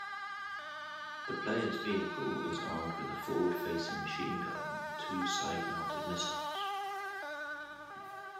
The player's vehicle is armed with a forward-facing machine gun and two side-mounted missiles.